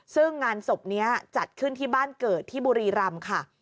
ซึ่งงานศพนี้จัดขึ้นที่บ้านเกิดที่บุรีรำค่ะ